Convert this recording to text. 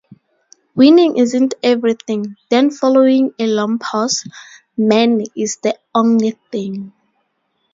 Winning isn't everything," then following a long pause, "Men, it's the only thing!